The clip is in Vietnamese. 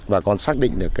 và còn xác định được